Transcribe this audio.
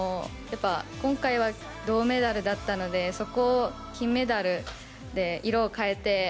今回は銅メダルだったのでそこを金メダルで色を変えて。